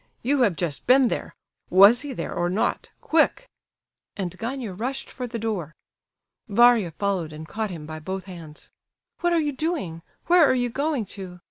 You have just been there. Was he there or not, quick?" And Gania rushed for the door. Varia followed and caught him by both hands. "What are you doing? Where are you going to?